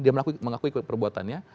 dia mengakui perbuatannya